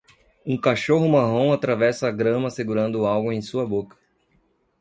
Um cachorro marrom atravessa a grama segurando algo em sua boca